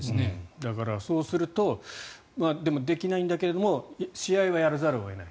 だから、そうするとできないんだけれども試合はやらざるを得ない。